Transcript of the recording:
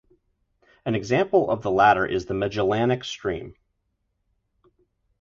An example of the latter is the Magellanic Stream.